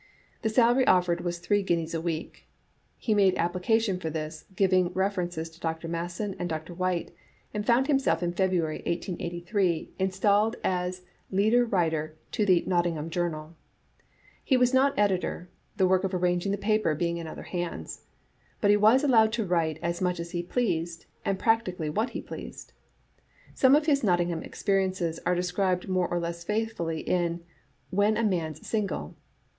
The salary offered was three guineas a week. He made ap plication for this, giving references to Dr. Masson and Dr. Whyte, and found himself in February, 1883, in stalled as leader writer to the Nottingham Journal, He was not editor, the work of arranging the paper being in other hands; but he was allowed to write as much as he pleased, and practically what he pleased. Some of his Nottingham experiences are described more or less faithfully in "When a Man's Single."